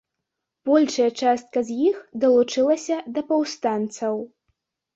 Большая частка з іх далучылася да паўстанцаў.